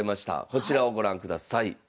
こちらをご覧ください。